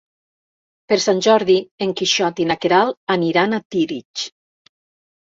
Per Sant Jordi en Quixot i na Queralt aniran a Tírig.